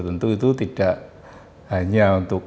tentu itu tidak hanya untuk